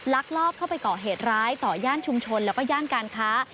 ลักลอบเข้าไปก่อเหตุร้ายต่อย่านชุมชนแล้วก็ย่านการค้า